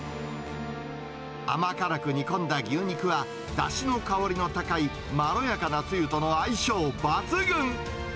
甘辛く煮込んだ牛肉は、だしの香りの高いまろやかなつゆとの相性抜群。